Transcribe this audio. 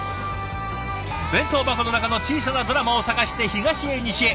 弁当箱の中の小さなドラマを探して東へ西へ。